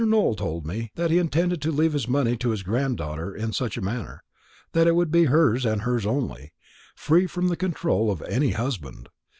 Nowell told me that he intended to leave his money to his granddaughter in such a manner, that it would be hers and hers only free from the control of any husband.